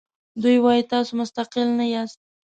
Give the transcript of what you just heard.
دوی وایي تاسو مستقل نه یاست.